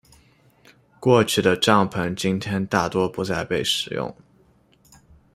过去的帐篷今天大多不再被使用。